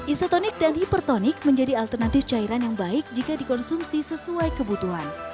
isatonik dan hipertonik menjadi alternatif cairan yang baik jika dikonsumsi sesuai kebutuhan